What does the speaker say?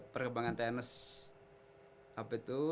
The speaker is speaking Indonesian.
perkembangan tenis apa itu